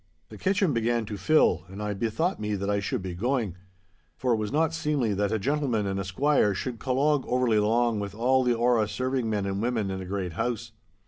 The kitchen began to fill, and I bethought me that I should be going; for it was not seemly that a gentleman and a squire should collogue overly long with all the orra serving men and women in a great house.